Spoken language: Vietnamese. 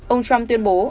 ông trump tuyên bố